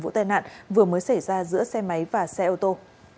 vụ tai nạn vừa mới xảy ra giữa xe máy và xe ô tô